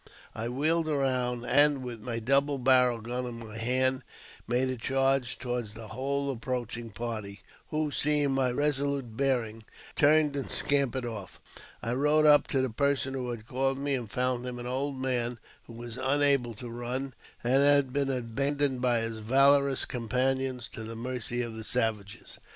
I wheeled round, and, with my double barrelled gun in my hand, made a charge toward the whole approaching party, who, seeing my resolute bearing, turned and scampered off. I rode up to the person who had called me, and found him an old man, who was unable to run, and had been abandoned by his valorous companions to the mercy of the savages.